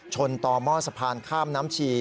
ชนต่อหม้อสะพานข้ามน้ำชี